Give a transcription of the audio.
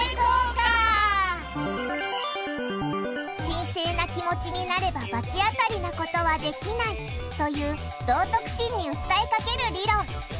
神聖な気持ちになれば罰当たりなことはできないという道徳心に訴えかける理論。